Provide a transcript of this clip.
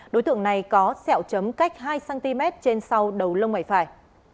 đối tượng này có sẹo chấm cách hai cm trên sau đầu lông mày phải